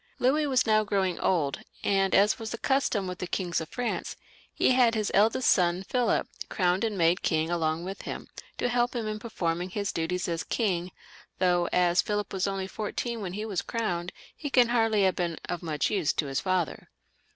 Louis was now growing old, and, as was the custom with the kings of France, he had his eldest son Philip crowned and made king along with him, to help him in performing his duties as king, though, as Philip was only fourteen when he was crowned, he can hardly have been of much use to his father.